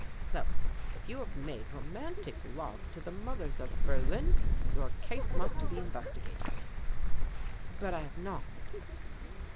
So, if you have made romantic love to the mothers of Berlin, your case must be investigated." "But I have not."